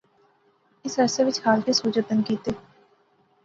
اس عرصے وچ خالقیں سو جتن کیتے